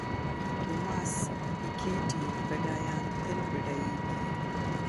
توماس پیکیټي بډایان تل بډایېږي.